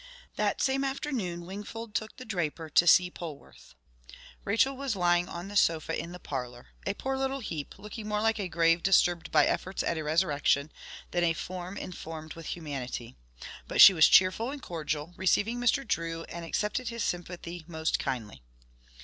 That same afternoon, Wingfold took the draper to see Polwarth. Rachel was lying on the sofa in the parlour a poor little heap, looking more like a grave disturbed by efforts at a resurrection, than a form informed with humanity. But she was cheerful and cordial, receiving Mr. Drew and accepted his sympathy most kindly.